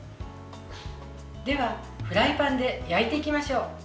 では、フライパンで焼いていきましょう。